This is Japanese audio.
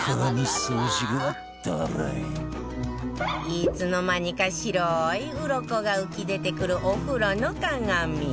いつの間にか白いウロコが浮き出てくるお風呂の鏡